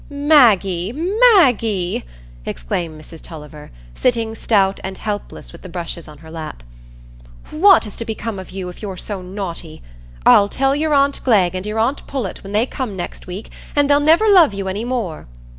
"Maggie, Maggie!" exclaimed Mrs Tulliver, sitting stout and helpless with the brushes on her lap, "what is to become of you if you're so naughty? I'll tell your aunt Glegg and your aunt Pullet when they come next week, and they'll never love you any more.